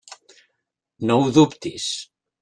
No ho dubtis.